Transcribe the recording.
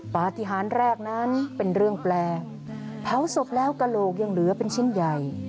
ปฏิหารแรกนั้นเป็นเรื่องแปลกเผาศพแล้วกระโหลกยังเหลือเป็นชิ้นใหญ่